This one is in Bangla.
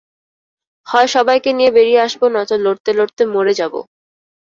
হয় সবাইকে নিয়ে বেরিয়ে আসব নয়তো লড়তে লড়তে মরে যাব।